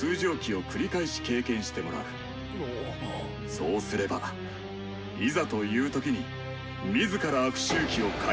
そうすればいざという時に自ら悪周期を解放できる。